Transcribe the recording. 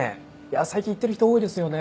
最近行ってる人多いですよね。